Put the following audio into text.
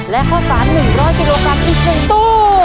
และข้าวสาร๑๐๐กิโลกรัมอีก๑ตู้